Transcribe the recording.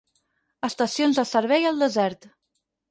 Estacions de servei al desert.